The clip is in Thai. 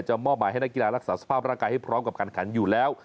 มอบหมายให้นักกีฬารักษาสภาพร่างกายให้พร้อมกับการขันอยู่แล้ว